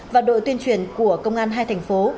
và đội tuyên truyền của công an hai thành phố